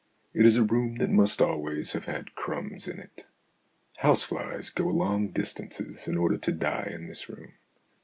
It is a room that must always have had crumbs in it. House flies go long distances in order to die in this room.